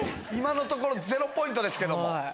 今のところ０ポイントですけども。